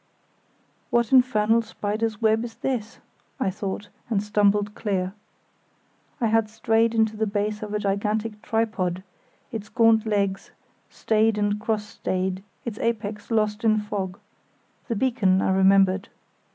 "What infernal spider's web is this?" I thought, and stumbled clear. I had strayed into the base of a gigantic tripod, its gaunt legs stayed and cross stayed, its apex lost in fog; the beacon, I remembered.